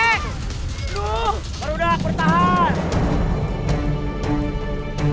aduh berudak bertahan